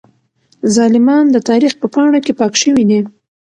ظالمان د تاريخ په پاڼو کې پاک شوي دي.